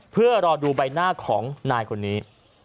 เพื่อรอดูใบหน้าของนายคนนี้